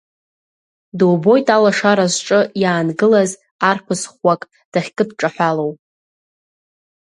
Дубоит алашара зҿы иаангылаз арԥыс ӷәӷәак дахькыдҿаҳәалоу.